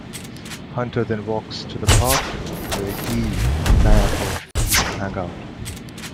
Hunter then walks to the park where he and Nayako used to hang out.